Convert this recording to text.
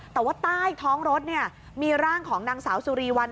แต่ว่าใต้ท้องรถมีร่างของนางสาวสุรีวัน